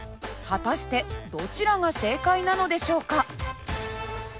果たしてどちらが正解なのでしょうか？